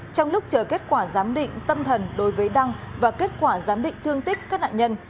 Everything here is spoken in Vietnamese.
trong lúc chờ kết quả giám định tâm thần đối với đăng và kết quả giám định thương tích các nạn nhân